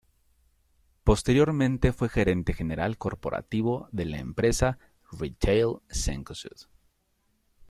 Posteriormente fue gerente general corporativo de la empresa "retail" Cencosud.